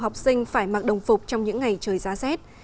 học sinh phải mặc đồng phục trong những ngày trời giá rét